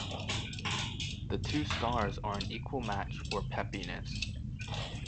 The two stars are an equal match for peppiness.